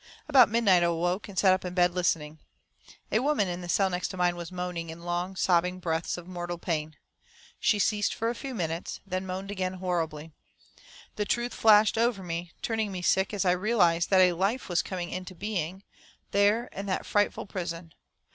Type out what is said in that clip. About midnight I awoke, and sat up in bed, listening. A woman in the cell next mine was moaning in long, sobbing breaths of mortal pain. She ceased for a few minutes, then moaned again, horribly. The truth flashed over me, turning me sick, as I realised that a life was coming into being, there in that frightful prison.